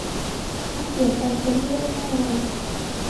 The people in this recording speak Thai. ความเปลี่ยนแปลงเป็นเรื่องแน่นอน